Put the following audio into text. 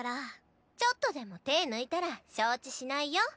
ちょっとでも手抜いたら承知しないよ？